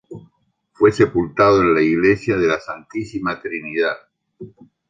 Fue sepultado en la iglesia de la Santísima Trinidad.